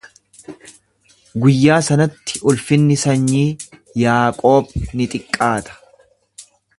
Guyyaa sanatti ulfinni sanyii Yaaqoob ni xiqqaata.